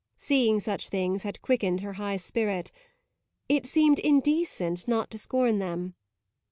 Seeing such things had quickened her high spirit; it seemed indecent not to scorn them.